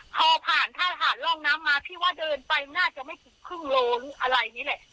พอผ่านถ้าผ่านร่องน้ำมาพี่ว่าเดินไปน่าจะไม่ถึงครึ่งโลหรืออะไรนี่แหละ